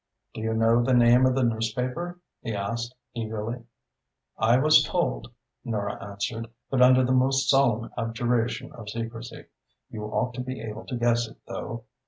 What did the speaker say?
"Do you know the name of the newspaper?" he asked eagerly. "I was told," Nora answered, "but under the most solemn abjuration of secrecy. You ought to be able to guess it, though.